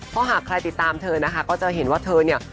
เพราะหากใครติดตามเธอนะคะก็จะเห็นว่าเธอเนี่ย